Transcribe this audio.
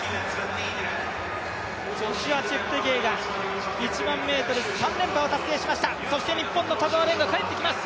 ジョシュア・チェプテゲイが１００００ｍ、３連覇を達成しましたそして日本の田澤廉が帰ってきます。